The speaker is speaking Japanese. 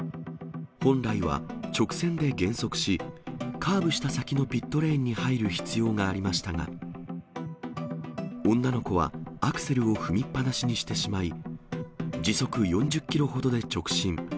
本来は直線で減速し、カーブした先のピットレーンに入る必要がありましたが、女の子はアクセルを踏みっぱなしにしてしまい、時速４０キロほどで直進。